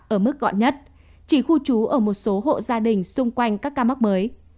ở mức gọn nhất chỉ khu trú ở một số hộ gia đình xung quanh các ca mắc mới